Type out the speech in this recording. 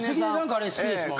カレー好きですもんね。